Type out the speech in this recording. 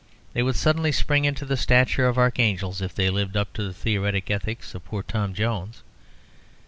They would suddenly spring into the stature of archangels if they lived up to the theoretic ethics of poor Tom Jones.